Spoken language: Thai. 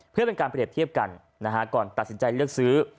เพื่อเป็นการเปรียบเทียบกันก่อนตัดสินใจเลือกซื้อ